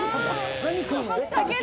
何食うの？